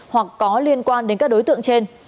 hoặc có liên quan đến các đối tượng trên